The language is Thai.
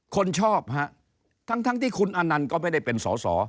คนชอบฮะทั้งที่คุณอนันต์ก็ไม่ได้เป็นสอสอ